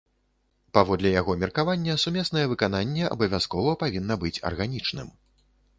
Паводле яго меркавання, сумеснае выкананне абавязкова павінна быць арганічным.